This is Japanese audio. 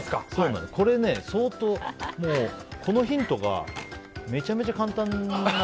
これね、相当このヒントがめちゃめちゃ簡単で。